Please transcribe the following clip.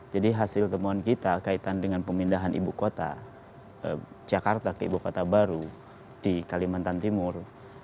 jadi hasil temuan kita kaitan dengan pemindahan ibu kota jakarta ke ibu kota baru di kalimantan timur